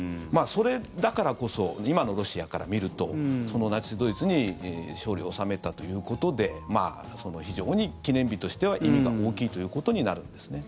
それだからこそ今のロシアから見るとナチス・ドイツに勝利を収めたということで非常に記念日としては意味が大きいということになるんですね。